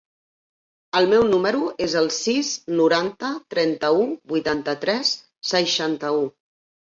El meu número es el sis, noranta, trenta-u, vuitanta-tres, seixanta-u.